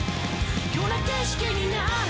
「ような景色になる」